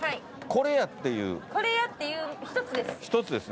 「これや」っていう１つです。